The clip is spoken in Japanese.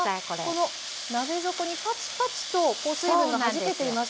あこの鍋底にパチパチとこう水分がはじけていますけれども。